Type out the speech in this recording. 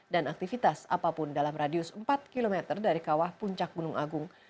dan aktivitas apapun dalam radius empat km dari kawah puncak gunung agung